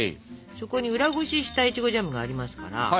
そこに裏ごししたいちごジャムがありますから。